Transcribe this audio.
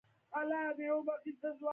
مینې ته انسان اړتیا لري.